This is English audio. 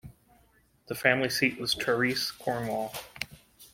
The family seat was Trerice, Cornwall.